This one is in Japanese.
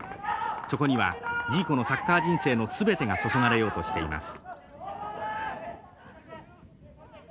そこにはジーコのサッカー人生の全てが注がれようとしています。